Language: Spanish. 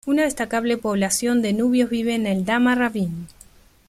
Una destacable población de nubios vive en Eldama-Ravine.